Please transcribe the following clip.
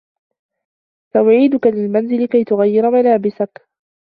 سأعيدك للمنزل كي تغيّر ملابسك.